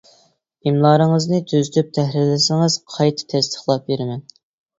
ئىملايىڭىزنى تۈزىتىپ تەھرىرلىسىڭىز قايتا تەستىقلاپ بېرىمەن.